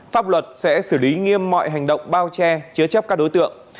pháp luật sẽ xử lý nghiêm mọi hành động bao che chứa chấp các đối tượng